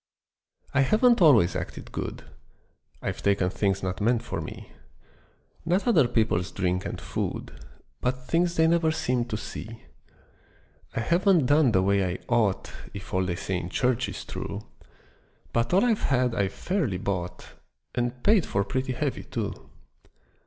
I HAVEN'T always acted good: I've taken things not meant for me; Not other people's drink and food, But things they never seemed to see. I haven't done the way I ought If all they say in church is true, But all I've had I've fairly bought, And paid for pretty heavy too.